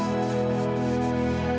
ya makasih ya